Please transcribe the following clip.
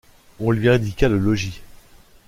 On lui indiqua le logis.